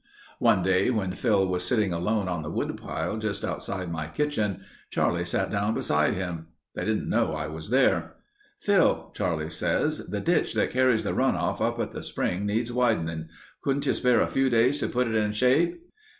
"One day when Phil was sitting alone on the woodpile just outside my kitchen, Charlie sat down beside him. They didn't know I was there. 'Phil,' Charlie says, 'the ditch that carries the runoff up at the spring needs widening. Could you spare a few days to put it in shape?